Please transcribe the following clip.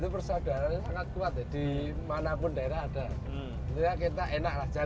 menunjuk kata orang barang terlalu jauh